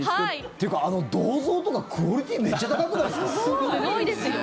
っていうか、あの銅像とかクオリティーめっちゃ高くないですか？